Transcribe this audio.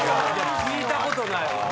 聞いたことない。